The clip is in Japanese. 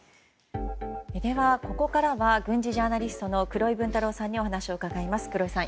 ここからは軍事ジャーナリストの黒井文太郎さんにお話を伺います、黒井さん